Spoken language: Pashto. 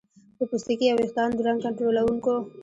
د پوستکي او ویښتانو د رنګ کنټرولونکو